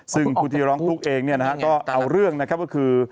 ซึ่งผู้ที่ร้องทุกข์เองเนี่ยนะฮะก็เอาเรื่องนะครับก็คือ